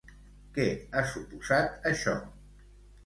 Què ha suposat això?